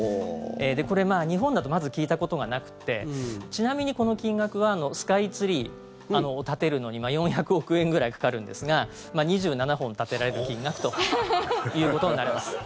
これ、日本だとまず聞いたことなくてちなみにこの金額はスカイツリーを建てるのに４００億円くらいかかるんですが２７本建てられる金額ということになります。